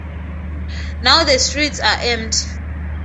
Now the streets are empty.